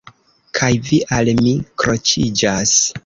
Kaj vi al mi kroĉiĝas.